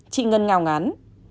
chị ngân ngào ngán